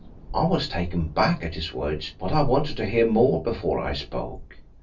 I was taken back at his words, but I wanted to hear more before I spoke.